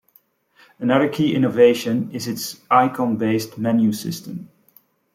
Another key innovation is its icon-based menu system.